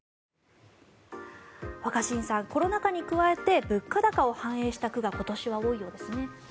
若新さん、コロナ禍に加えて物価高を反映した句が今年は多いようですね。